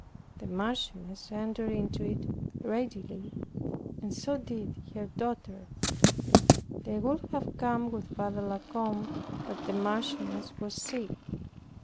The Marchioness entered into it readily, and so did her daughter. They would have come with Father La Combe, but the Marchioness was sick.